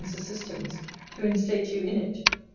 's assistance to instate you in it.